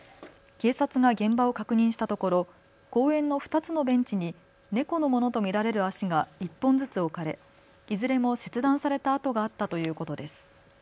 警察が現場を確認したところ公園の２つのベンチに猫のものと見られる足が１本ずつ置かれ、いずれも切断された痕があったということです。